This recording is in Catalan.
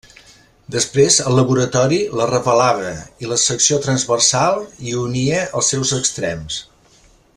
Després el laboratori la revelava i la secció transversal i unia els seus extrems.